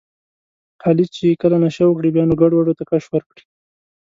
علي چې کله نشه وکړي بیا نو ګډوډو ته کش ورکړي.